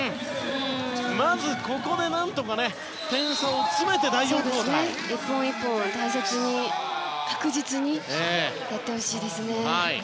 まずここで何とか点差を詰めて１本１本を大切に確実にやってほしいですね。